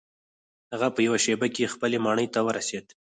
هغه په یوه شیبه کې خپلې ماڼۍ ته ورسید.